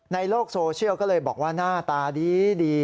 ในโลกโซเชียลก็เลยบอกว่าหน้าตาดี